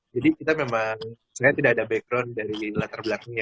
kita memang sebenarnya tidak ada background dari latar belakangnya